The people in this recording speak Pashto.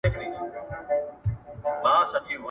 چي پر مځکه دهقان کښت کاوه د سونډو`